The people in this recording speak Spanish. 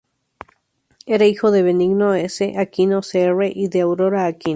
Era hijo de Benigno S. Aquino, Sr. y de Aurora Aquino.